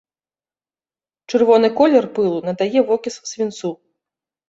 Чырвоны колер пылу надае вокіс свінцу.